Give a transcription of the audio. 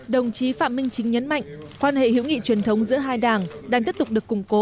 đồng chí phạm minh chính nhấn mạnh quan hệ hữu nghị truyền thống giữa hai đảng đang tiếp tục được củng cố